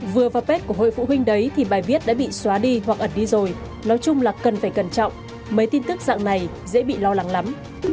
vừa vào bếp của hội phụ huynh đấy thì bài viết đã bị xóa đi hoặc ẩn đi rồi nói chung là cần phải cẩn trọng mấy tin tức dạng này dễ bị lo lắng lắm